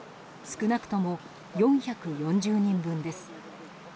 少なくとも４４０人分です。